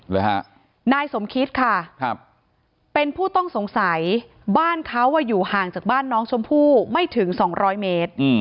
นายสมคิดค่ะครับเป็นผู้ต้องสงสัยบ้านเขาอยู่ห่างจากบ้านน้องชมพู่ไม่ถึงสองร้อยเมตร